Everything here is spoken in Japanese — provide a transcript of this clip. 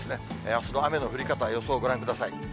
あすの雨の降り方、予想ご覧ください。